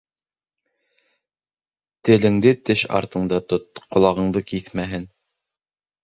Теленде теш артыңда тот, ҡолағыңды киҫмәһен.